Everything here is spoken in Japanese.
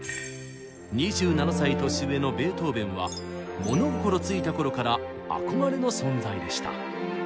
２７歳年上のベートーベンは物心ついた頃から憧れの存在でした。